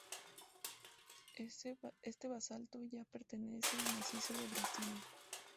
Este basalto ya pertenece al Macizo de Brasilia.